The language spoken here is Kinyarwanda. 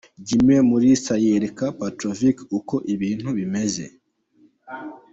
Jimmy Mulisa yereka Petrovic uko ibintu bimeze.